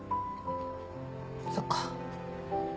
そっか。